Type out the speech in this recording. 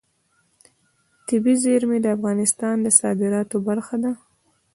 طبیعي زیرمې د افغانستان د صادراتو برخه ده.